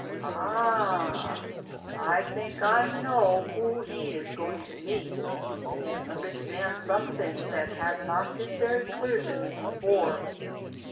'* Ah, I think I know who he is going to meet, and understand some things that have not been very clear to me before.